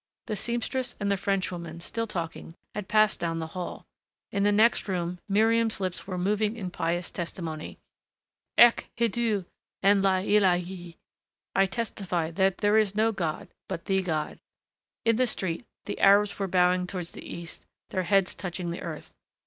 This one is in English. The seamstress and the Frenchwoman, still talking, had passed down the hall. In the next room Miriam's lips were moving in pious testimony. "Ech hedu en la illahé ! I testify that there is no God but the God." In the street the Arabs were bowing towards the east, their heads touching the earth.